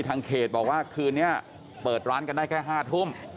ทางเขตบอกว่าคืนนี้เปิดร้านกันได้แค่๕ทุ่ม